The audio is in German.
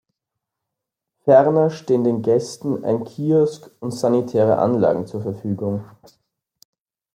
Ferner stehen den Gästen ein Kiosk und sanitäre Anlagen zur Verfügung.